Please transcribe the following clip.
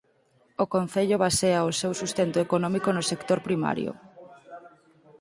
O concello basea o seu sustento económico no sector primario.